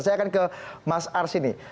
saya akan ke mas ars ini